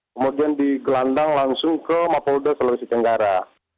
kemudian digelandang langsung ke mapolda sulawesi tenggara